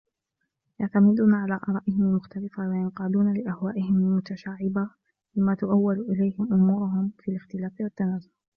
يَعْتَمِدُونَ عَلَى آرَائِهِمْ الْمُخْتَلِفَةِ وَيَنْقَادُونَ لِأَهْوَائِهِمْ الْمُتَشَعِّبَةِ لِمَا تُؤَوَّلُ إلَيْهِ أُمُورُهُمْ مِنْ الِاخْتِلَافِ وَالتَّنَازُعِ